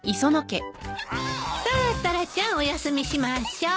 さあタラちゃんお休みしましょう。